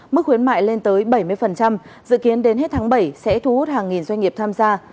mức khuyến mại lên tới bảy mươi dự kiến đến hết tháng bảy sẽ thu hút hàng nghìn doanh nghiệp tham gia